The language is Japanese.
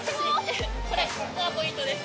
ここがポイントです。